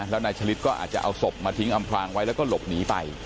แล้วนายชะลิดก็อาจจะเอาศพมาทิ้งอำพลางไว้แล้วก็หลบหนีไป